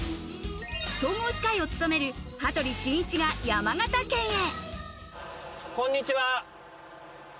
総合司会を務める羽鳥慎一が山形県へ。